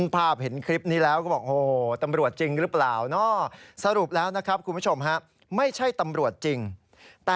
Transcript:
ทายตำรวจจริงอยู่แล้วแหละแหม่ใครจะกล้าก่อเหตุนะ